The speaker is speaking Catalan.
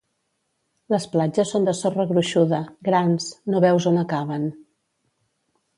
Les platges són de sorra gruixuda, grans, no veus on acaben.